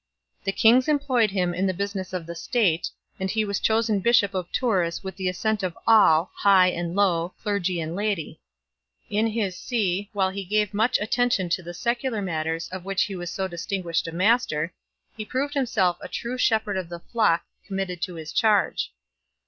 Kings employed him in the business of the state, arid he was chosen bishop of Tours with the assent of all, high and low, clergy and laity 1 . In his see, while he gave much attention to the secular matters of which he was so dis tinguished a master, he proved himself a true shepherd of the flock committed to his charge.